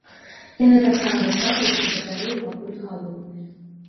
Яны таксама расказваюць, што батарэі пакуль халодныя.